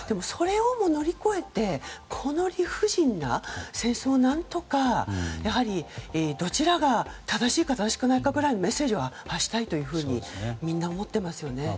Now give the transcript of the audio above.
それをも乗り越えてこの理不尽な戦争を何とかどちらが正しいか正しくないかぐらいのメッセージは発したいとみんな思っていますよね。